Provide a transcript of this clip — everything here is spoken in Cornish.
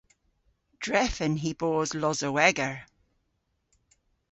Drefen hy bos losoweger.